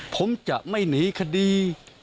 ผมจะไม่หนีคดี